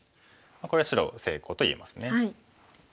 これは白成功と言えます。